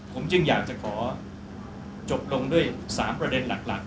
ผมจึงอยากจะขอจบลงด้วย๓ประเด็นหลัก